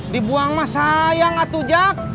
dibuang mah sayang atu jak